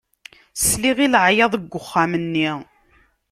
Sliɣ i leɛyaḍ deg uxxam-nni.